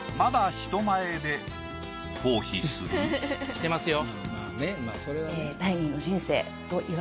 してますよ。